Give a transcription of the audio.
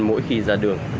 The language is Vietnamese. mỗi khi ra đường